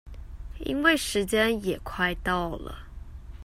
因為時間也快到了